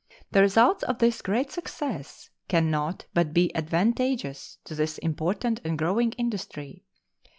The results of this great success can not but be advantageous to this important and growing industry.